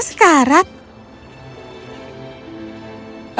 bagaimana cara mencari pangeran brilliant